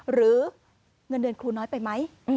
หรือเงินเดือนครูน้อยไปไหม